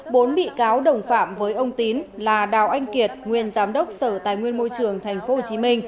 bốn bị cáo đồng phạm với ông tín là đào anh kiệt nguyên giám đốc sở tài nguyên môi trường tp hcm